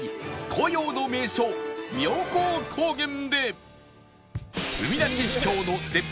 紅葉の名所妙高高原で